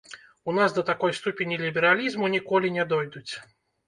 У нас да такой ступені лібералізму ніколі не дойдуць.